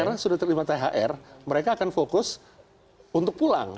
karena sudah terima thr mereka akan fokus untuk pulang